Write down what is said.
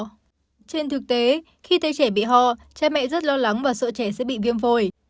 trên thực tế khi thấy trẻ bị ho cha mẹ rất lo lắng và sợ trẻ sẽ bị viêm phổi